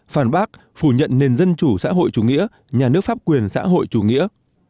phản bác phủ nhận nền dân chủ xã hội chủ nghĩa nhà nước pháp quyền xã hội chủ nghĩa